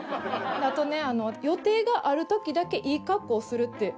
あとね。